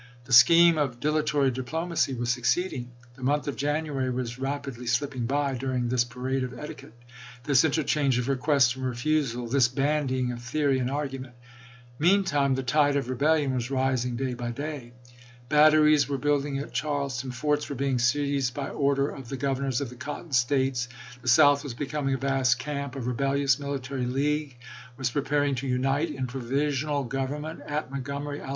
The scheme of dilatory diplomacy was succeeding. The month of January was rapidly slipping by during this parade of etiquette, this interchange of request and refusal, this bandying of theory and argument. Meantime the tide of rebellion was rising day by day. Batteries were building at Charleston ; forts were being seized by order of the Governors of the Cotton States ; the South was becoming a vast camp ; a rebellious military league was preparing to unite in provisional government at Montgomery, Alabama. Vol. III.